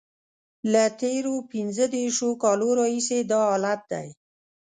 له تېرو پنځه دیرشو کالو راهیسې دا حالت دی.